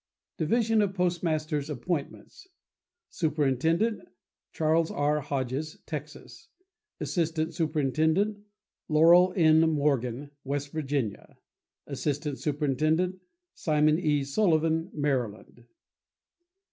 Division of Postmasters' Appointments.— Superintendent.—Charles R. Hodges, Texas. Assistant Superintendent.—Lorel N. Morgan, West Virginia. Assistant Superintendent.—Simon E. Sullivan, Maryland.